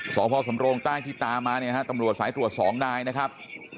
สพสำโรงใต้ที่ตามมาเนี่ยฮะตำรวจสายตรวจสองนายนะครับ